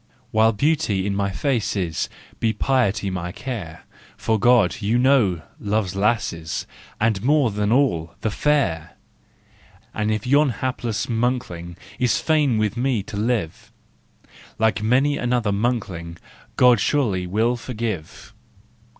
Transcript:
While beauty in my face is, Be piety my care, For God, you know, loves lasses, And, more than all, the fair. And if yon hapless monkling Is fain with me to live, Like many another monkling, God surely will forgive.